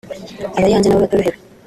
abari hanze nabo batorohewe